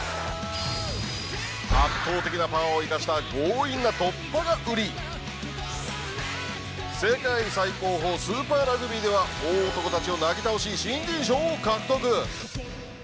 圧倒的なパワーを生かしたが売り世界最高峰スーパーラグビーでは大男たちをなぎ倒し新人賞を獲得！